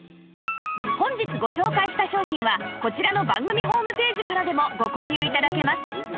本日ご紹介した商品はこちらの番組ホームページからでもご購入頂けます